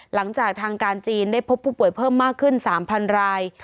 หลังจากทางการจีนได้พบผู้ป่วยเพิ่มมากขึ้น๓๐๐ราย